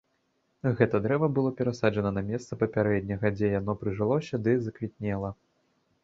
Гэта дрэва было перасаджана на месца папярэдняга, дзе яно прыжылося ды заквітнела.